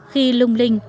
khi lung linh